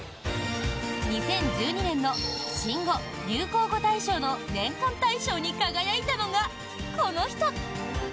２０１２年の新語・流行語大賞の年間大賞に輝いたのがこの人。